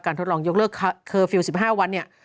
ทดลองยกเลิกเคอร์ฟิลล์๑๕วันเนี่ย